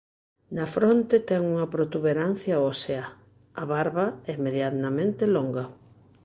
Na fronte ten unha protuberancia ósea; a barba é medianamente longa.